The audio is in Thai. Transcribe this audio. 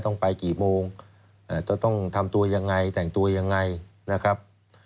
ต้องไปกี่โมงจะต้องทำตัวยังไงแต่งตัวยังไงนะครับ